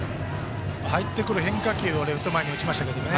入ってくる変化球をレフト前に打ち返しましたけどね。